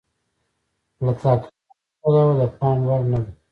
له تحقیقاتي پلوه د پام وړ نه ده.